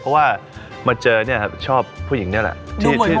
หรือว่ามาเจ้ห์เนี่ยละชอบผู้หญิงเนี่ยแหละ